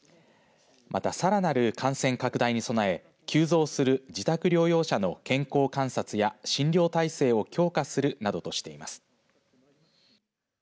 また、さらなる感染拡大に備え急増する自宅療養者の健康観察や診療体制を強化するなどとしています。